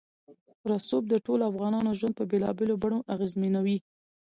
رسوب د ټولو افغانانو ژوند په بېلابېلو بڼو اغېزمنوي.